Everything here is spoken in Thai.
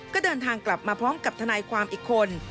ก็เดินทางกลับมาพร้อมกับทนายความอีกคน